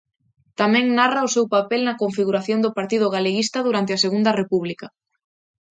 Tamén narra o seu papel na configuración do Partido Galeguista durante a Segunda República.